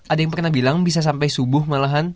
ada yang pernah bilang bisa sampai subuh malahan